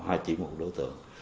hay chỉ một đối tượng